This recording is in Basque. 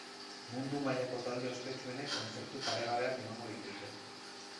Mundu mailako talde ospetsuenek kontzertu paregabeak emango dituzte.